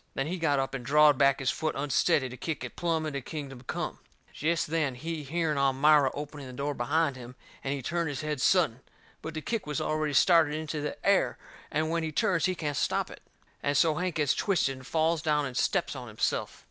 Then he got up and drawed back his foot unsteady to kick it plumb into kingdom come. Jest then he hearn Elmira opening the door behind him, and he turned his head sudden. But the kick was already started into the air, and when he turns he can't stop it. And so Hank gets twisted and falls down and steps on himself.